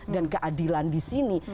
dan keadilan disini